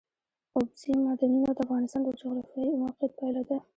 اوبزین معدنونه د افغانستان د جغرافیایي موقیعت پایله ده.